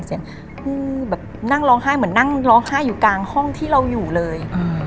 เสียงผู้แบบนั่งร้องไห้เหมือนนั่งร้องไห้อยู่กลางห้องที่เราอยู่เลย